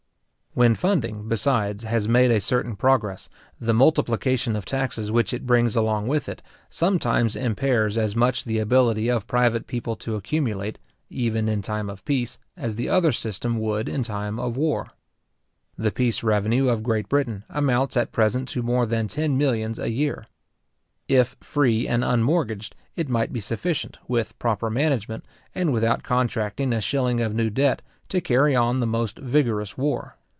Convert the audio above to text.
When funding, besides, has made a certain progress, the multiplication of taxes which it brings along with it, sometimes impairs as much the ability of private people to accumulate, even in time of peace, as the other system would in time of war. The peace revenue of Great Britain amounts at present to more than ten millions a year. If free and unmortgaged, it might be sufficient, with proper management, and without contracting a shilling of new debt, to carry on the most vigorous war.